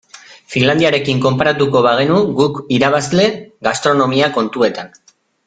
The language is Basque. Finlandiarekin konparatuko bagenu guk irabazle gastronomia kontuetan.